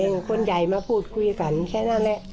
คนใหญ่มาพูดคุยกันแค่นั้นแหละ